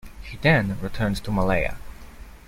He then returned to Malaya.